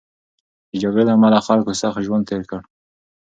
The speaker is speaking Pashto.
د جګړې له امله خلکو سخت ژوند تېر کړ.